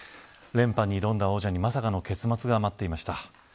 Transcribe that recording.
連覇に挑んだ王者にまさかの結末が待っていました。